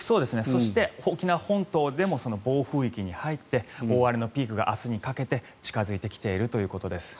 そして沖縄本島でも暴風域に入って大荒れのピークが明日にかけて近付いてきているということです。